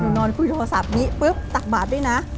นอนคุยโทรศัพท์นี้ปุ๊บตักบาทด้วยนะ